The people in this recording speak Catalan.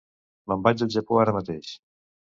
Me'n vaig al Japó ara mateix.